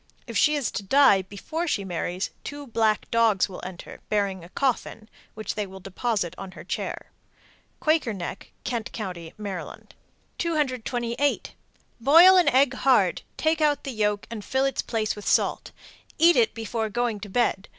If she is to die before she marries, two black dogs will enter, bearing a coffin, which they will deposit on her chair. Quaker Neck, Kent Co., Md. 228. Boil an egg hard, take out the yolk, and fill its place with salt. Eat it before going to bed.